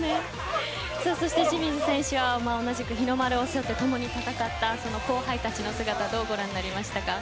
そして、清水選手は同じく日の丸を背負って共に戦った後輩たちの姿どうご覧になりましたか。